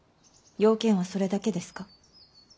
用件はそれだけですか。